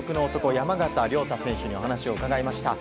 山縣亮太選手にお話を伺いました。